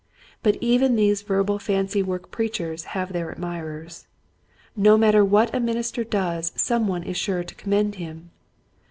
But even these verbal fancy work preach ers have their admirers. No matter what a minister does some one is sure to com mend him.